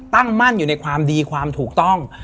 ตั้งมั่นอยู่ในความดีความถูกต้อง